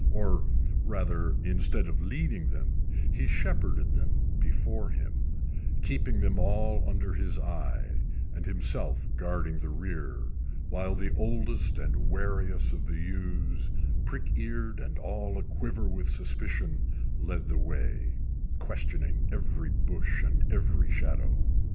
Or, rather, instead of leading them, he shepherded them before him, keeping them all under his eye, and himself guarding the rear, while the oldest and wariest of the ewes, prick eared and all a quiver with suspicion, led the way, questioning every bush and every shadow.